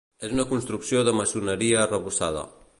És una construcció de maçoneria arrebossada.